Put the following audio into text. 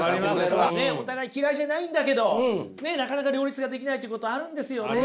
お互い嫌いじゃないんだけどなかなか両立ができないっていうことあるんですよね。